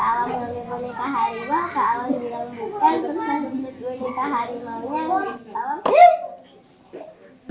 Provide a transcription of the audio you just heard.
yang kemudian memilih boneka harimau